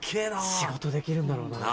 仕事できるんだろうな。